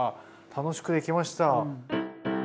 楽しくできました。